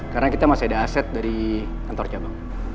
karena kita masih ada aset dari kantor cabang